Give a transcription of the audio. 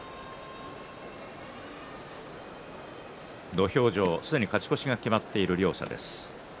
土俵上はすでに勝ち越しが決まっている両者です。